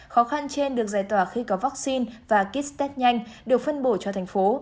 khó khăn trên được giải tỏa khi có vaccine và kit test nhanh được phân bổ cho thành phố